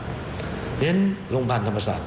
เพราะฉะนั้นโรงพยาบาลธรรมศาสต